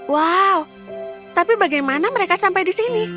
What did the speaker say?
wow tapi bagaimana mereka sampai di sini